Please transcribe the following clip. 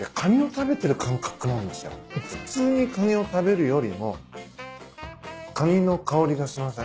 普通にカニを食べるよりもカニの香りがしません？